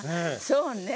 そうね。